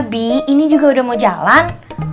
bi ini juga udah mau jalan